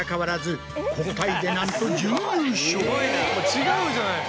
違うじゃない。